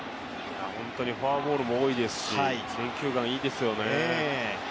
本当にフォアボールも多いですし、選球眼いいですよね。